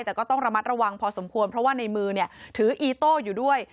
แต่ก็ต้องระมัดระวังพอสมควรเพราะว่าในมือถืออีโต้อยู่ด้วย